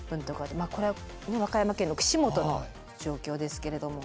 これ和歌山県の串本の状況ですけれども。